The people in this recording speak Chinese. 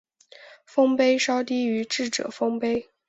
丰碑稍低于智者丰碑。